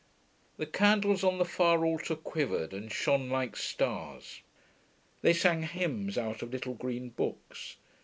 The candles on the far altar quivered and shone like stars. They sang hymns out of little green books.